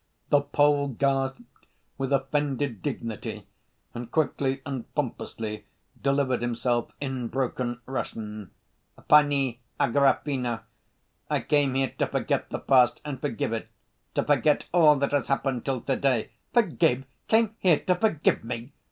The Pole gasped with offended dignity, and quickly and pompously delivered himself in broken Russian: "Pani Agrafena, I came here to forget the past and forgive it, to forget all that has happened till to‐day—" "Forgive? Came here to forgive me?"